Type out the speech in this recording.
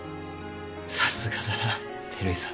さすがだな照井さん。